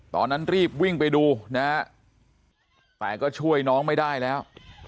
ตอนนั้นรีบวิ่งไปดูนะฮะแต่ก็ช่วยน้องไม่ได้แล้ว